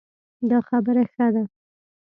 دا خبره ښه ده